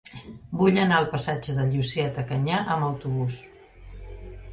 Vull anar al passatge de Llucieta Canyà amb autobús.